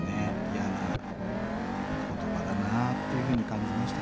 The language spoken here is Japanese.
嫌な言葉だなっていうふうに感じましたね。